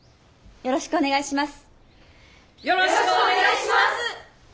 よろしくお願いします！